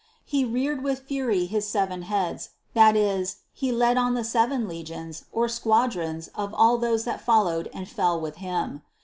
He reared with fury his seven heads, that is, he led on the seven legions or squadrons of all those that followed and fell with him.